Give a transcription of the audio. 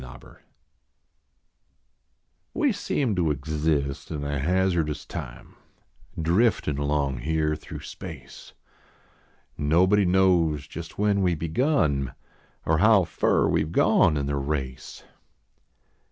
EVOLUTION \Ve seem to exist in a hazardous time, Driftin along here through space ; Nobody knows just when we begun Or how fur we ve gone in the race.